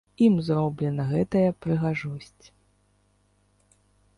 Ім зроблена гэтая прыгажосць.